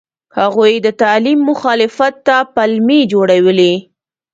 هغوی د تعلیم مخالفت ته پلمې جوړولې.